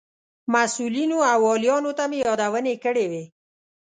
مسئولینو او والیانو ته مې یادونې کړې وې.